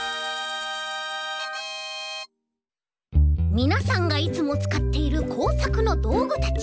みなさんがいつもつかっているこうさくのどうぐたち。